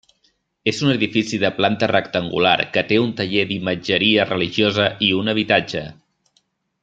És un edifici de planta rectangular que té un taller d'imatgeria religiosa i un habitatge.